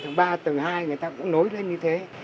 tầng ba tầng ba tầng ba tầng hai người ta cũng nối lên như thế